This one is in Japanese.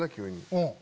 うん。